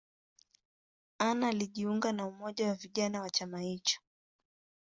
Anna alijiunga na umoja wa vijana wa chama hicho.